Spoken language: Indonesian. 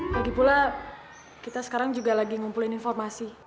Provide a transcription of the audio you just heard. lagipula kita sekarang juga lagi ngumpulin informasi